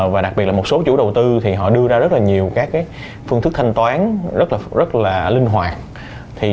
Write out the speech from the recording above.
và đặc biệt là một số chủ đầu tư thì họ đưa ra rất là nhiều các phương thức thanh toán rất là linh hoạt